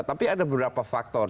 tapi ada beberapa faktor